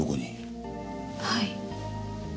はい。